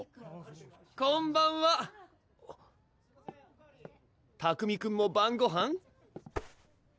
・こんばんは拓海くんも晩ごはん？